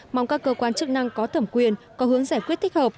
mong các cơ quan chức năng có thẩm quyền có hướng giải quyết thích hợp